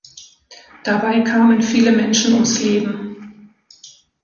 Dabei kamen viele Menschen ums Leben.